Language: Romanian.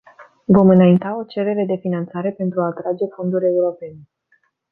Vom înainta o cerere de finanțare pentru a atrage fonduri europene.